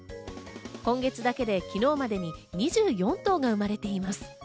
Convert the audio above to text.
今月だけで昨日までに２４頭が生まれています。